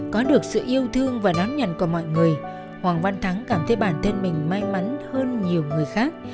có được sự yêu thương và đón nhận của mọi người hoàng văn thắng cảm thấy bản thân mình may mắn hơn nhiều người khác